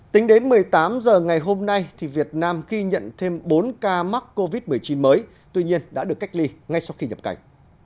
tính đến một mươi tám h ngày hôm nay việt nam ghi nhận thêm bốn ca mắc covid một mươi chín mới tuy nhiên đã được cách ly ngay sau khi nhập cảnh